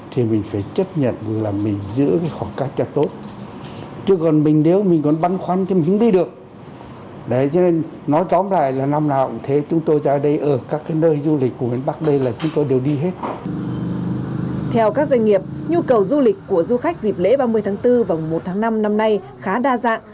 theo các doanh nghiệp nhu cầu du lịch của du khách dịp lễ ba mươi tháng bốn và một tháng năm năm nay khá đa dạng